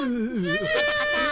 カタカター。